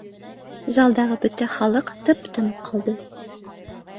Залдағы бөтә халыҡ тып-тын ҡалды